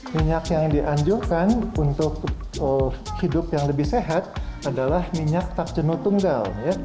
minyak yang dianjurkan untuk hidup yang lebih sehat adalah minyak tak jenut tunggal